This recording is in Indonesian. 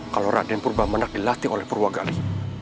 kalau raden purwamana dilatih oleh purwagali